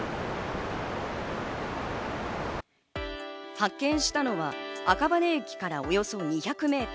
発見したのは赤羽駅からおよそ２００ｍ。